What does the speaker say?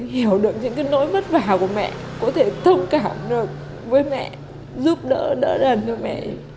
hiểu được những cái nỗi vất vả của mẹ có thể thông cảm được với mẹ giúp đỡ đỡ đần cho mẹ